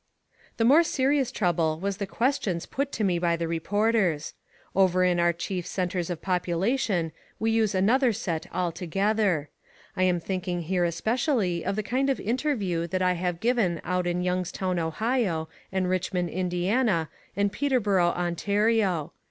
The more serious trouble was the questions put to me by the reporters. Over in our chief centres of population we use another set altogether. I am thinking here especially of the kind of interview that I have given out in Youngstown, Ohio, and Richmond, Indiana, and Peterborough, Ontario.